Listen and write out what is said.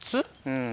うん。